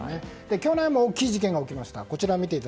去年も大きい事件が起きました。